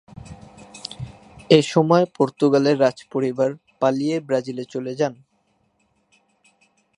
এসময় পর্তুগালের রাজপরিবার পালিয়ে ব্রাজিলে চলে যান।